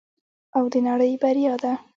او د نړۍ بریا ده.